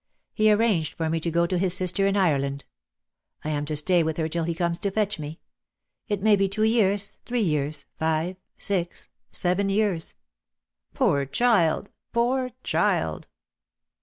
He arranged for me to go to his sister in Ireland. I am to stay with her till he comes to fetch me. It may be two years, tliree years, five, six, seven years." "Poor child, poor child."